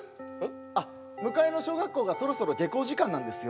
あっ迎えの小学校がそろそろ下校時間なんですよ